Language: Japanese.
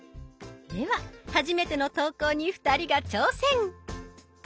では初めての投稿に２人が挑戦。